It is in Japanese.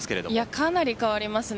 かなり変わりますね。